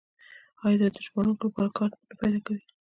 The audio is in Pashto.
آیا دا د ژباړونکو لپاره کار نه پیدا کوي؟